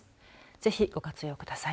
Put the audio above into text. ぜひ、ご活用ください。